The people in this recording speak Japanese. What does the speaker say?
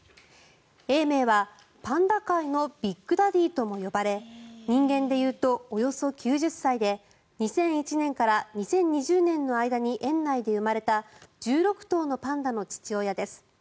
永明はパンダ界のビッグダディとも呼ばれ人間でいうとおよそ９０歳で２００１年から２０２０年の間に園内で生まれた１６頭のパンダの父親です。